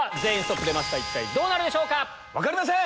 一体どうなるでしょうか⁉分かりません！